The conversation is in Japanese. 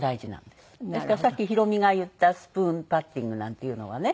ですからさっきひろ美が言ったスプーンパッティングなんていうのはね